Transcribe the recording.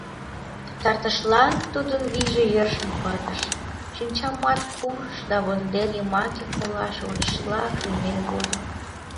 Пытартышлан тудын вийже йӧршын пытыш, шинчамат кумыш да вондер йымаке колаш вочшыла шуйнен возо.